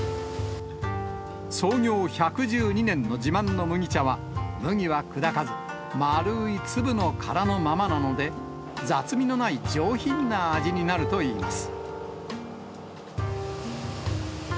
創業１１２年の自慢の麦茶は、麦は砕かず、丸い粒の殻のままなので、雑味のない上品な味になるといいます。